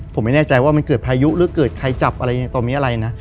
ผมไม่แน่ใจว่ามันเกิดพายุหรือเกิดใครจับอะไรอย่างนี้ตอนนี้อะไรนะ